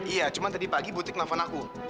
iya cuma tadi pagi butik nelfon aku